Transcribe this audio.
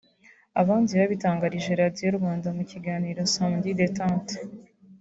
abandi babitangarije Radiyo Rwanda mu kiganiro Samedi détente